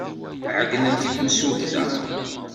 Ɛeyynent i temsulta.